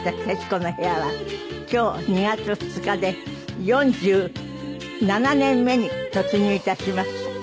『徹子の部屋』は今日２月２日で４７年目に突入致します。